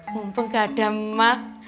mumpung gak ada mak